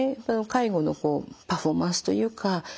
介護のパフォーマンスというか